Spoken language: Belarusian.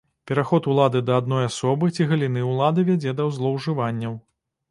Пераход улады да адной асобы ці галіны ўлады вядзе да злоўжыванняў.